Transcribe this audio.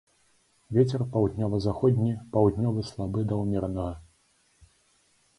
Вецер паўднёва-заходні, паўднёвы слабы да ўмеранага.